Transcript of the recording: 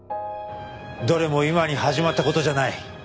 どれも今に始まった事じゃない。